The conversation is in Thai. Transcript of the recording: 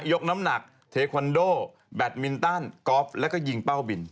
ยกน้ำหนักเทควันโดแบตมินตันกอล์ฟแล้วก็ยิงเป้าบิน